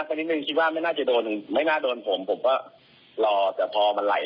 แล้วคิดไหมถ้าจะโดดไม่ทำมันจะเป็นยังไง